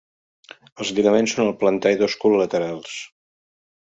Els lligaments són el plantar i dos col·laterals.